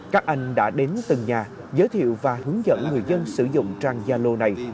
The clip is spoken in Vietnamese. các anh đã đến từng nhà giới thiệu và hướng dẫn người dân sử dụng trang gia lô này